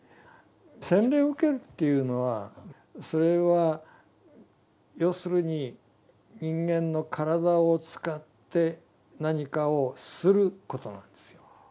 洗礼を受けるというのはそれは要するに人間の体を使って何かをすることなんですよ。